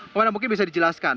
komandan mungkin bisa dijelaskan